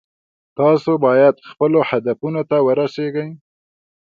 تاسو باید خپلو هدفونو ته ورسیږئ